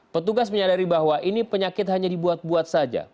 petugas menyadari bahwa ini penyakit hanya dibuat buat saja